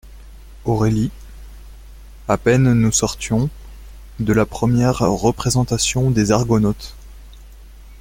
Aurélie. — A peine nous sortions … de la première représentation des Argonautes …